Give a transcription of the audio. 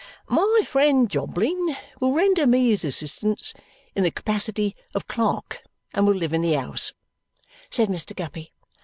"My friend Jobling will render me his assistance in the capacity of clerk and will live in the 'ouse," said Mr. Guppy.